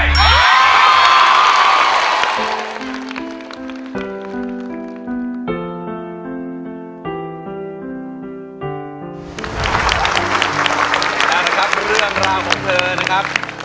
เอาละครับเรื่องราวของเธอนะครับ